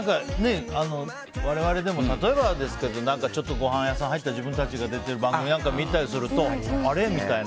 我々でも、例えばちょっとごはん屋さんに入って自分たちが出ている番組を見たりするとあれ？みたいな。